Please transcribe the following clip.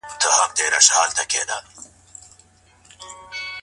ځيني ميندي او پلرونه ښه نيت لري؛ خو حکيمانه ژوند نسي کولای.